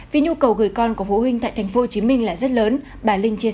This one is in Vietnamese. vì nhu cầu gửi con của phụ huynh tại tp hcm là rất lớn bà linh chia sẻ